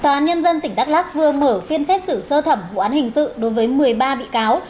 tòa án nhân dân tỉnh đắk lắc vừa mở phiên xét xử sơ thẩm vụ án hình sự đối với một mươi ba bị cáo